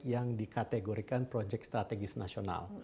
yang dikategorikan proyek strategis nasional